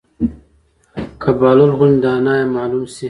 که بهلول غوندې دانا ئې معلم شي